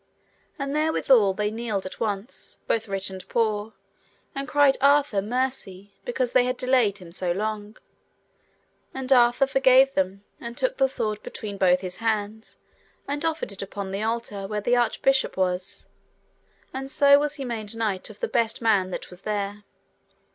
And therewithal they kneeled at once, both rich and poor, and cried Arthur mercy because they had delayed him so long, and Arthur forgave them, and took the sword between both his hands, and offered it upon the altar where the Archbishop was, and so was he made knight of the best man that was there.